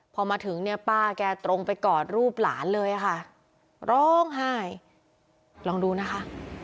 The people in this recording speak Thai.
พอมาถึงเนี่ยป้าแกตรงไปกอดรูปหลานเลยค่ะร้องไห้ลองดูนะคะ